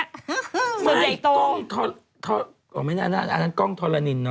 ส่วนใหญ่โตไม่กล้องทออ๋อไม่น่าอันนั้นกล้องทอลลานินเนอะ